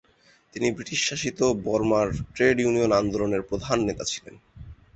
তিনি ব্রিটিশ শাসিত বর্মার ট্রেড ইউনিয়ন আন্দোলনের প্রধান নেতা ছিলেন।